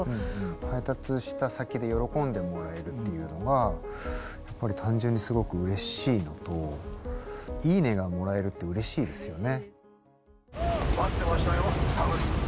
配達した先で喜んでもらえるっていうのがやっぱり単純にすごくうれしいのと「いいね」がもらえるってうれしいですよね。